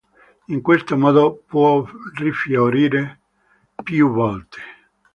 In questo modo può rifiorire più volte..